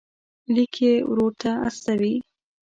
لیک یې ورور ته استوي.